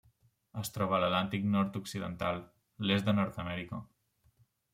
Es troba a l'Atlàntic nord-occidental: l'est de Nord-amèrica.